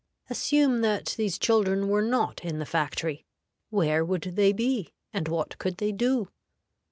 Assume that these children were not in the factory, where would they be, and what could they do?